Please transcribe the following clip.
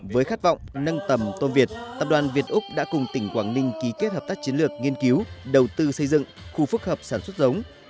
với khát vọng nâng tầm tôm việt tập đoàn việt úc đã cùng tỉnh quảng ninh ký kết hợp tác chiến lược nghiên cứu đầu tư xây dựng khu phức hợp sản xuất giống